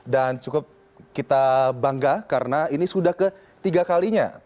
dan cukup kita bangga karena ini sudah ke tiga kalinya